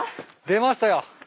出ましたよ。